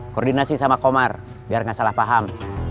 koordinasi sama komar biar nggak salah paham